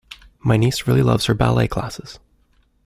My niece really loves her ballet classes